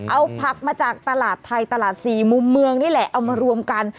เอาผักมาจากตลาดไทยตลาดสี่มุมเมืองนี่แหละเอามารวมกัน